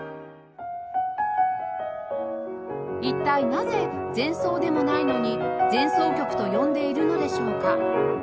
一体なぜ前奏でもないのに「前奏曲」と呼んでいるのでしょうか？